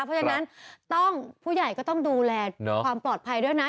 เพราะฉะนั้นต้องผู้ใหญ่ก็ต้องดูแลความปลอดภัยด้วยนะ